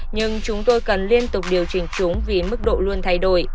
nhưng chúng tôi cần liên tục điều chỉnh chúng vì mức độ luôn thay đổi